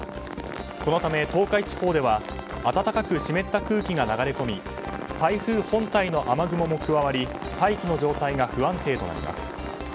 このため、東海地方では暖かく湿った空気が流れ込み台風本体の雨雲も加わり大気の状態が不安定となります。